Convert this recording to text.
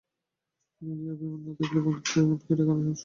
কিন্তু নিজের অভিমান না থাকিলেও বন্ধুত্বের অভিমানকে ঠেকানো শক্ত।